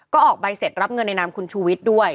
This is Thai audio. ก็ออกใบเสร็จรับเงินในนามคุณชูวิทย์ด้วย